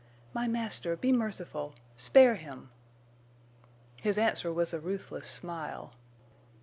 My master, be merciful—spare him!" His answer was a ruthless smile.